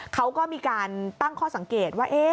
เขาก็มีการตั้งข้อสังเกตว่า